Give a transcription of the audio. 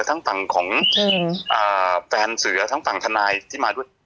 ทั้งต่างของอืมอ่าแฟนเสือทั้งต่างทนายที่มาด้วย